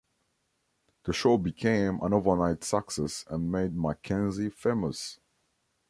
The show became an overnight success and made McKenzie famous.